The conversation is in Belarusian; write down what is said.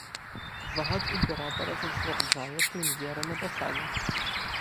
Загад імператара зацвярджае прэм'ера на пасадзе.